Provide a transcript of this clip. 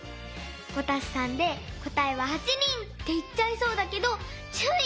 ５＋３でこたえは８人！っていっちゃいそうだけどちゅうい！